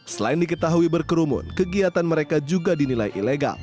selain diketahui berkerumun kegiatan mereka juga dinilai ilegal